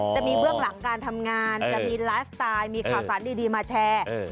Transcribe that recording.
เบื้องหลังการทำงานจะมีไลฟ์สไตล์มีข่าวสารดีมาแชร์